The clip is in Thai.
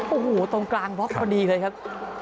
โอ้โหตรงกลางบล็อกพอดีเลยครับ